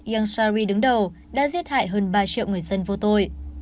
yangshari đứng đầu đã giết hại hơn ba triệu người dân vô tội